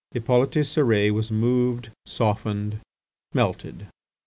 Hippolyte Cérès was moved, softened, melted.